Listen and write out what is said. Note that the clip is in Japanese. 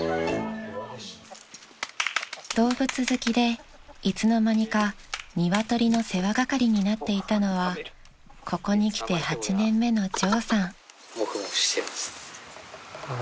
［動物好きでいつの間にか鶏の世話係になっていたのはここに来て８年目の］